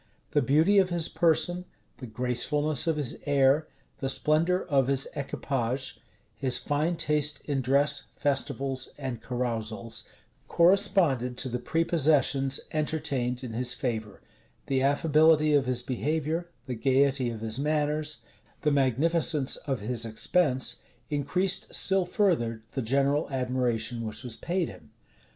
The beauty of his person, the gracefulness of his air, the splendor of his equipage, his fine taste in dress, festivals, and carousals, corresponded to the prepossessions entertained in his favor: the affability of his behavior, the gayety of his manners, the magnificence of his expense, increased still further the general admiration which was paid him.